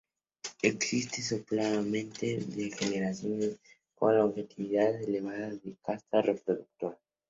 Existe solapamiento de generaciones con longevidad elevada de la casta reproductora.